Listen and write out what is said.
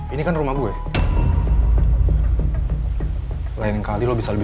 apa ada orang lain selain lo disini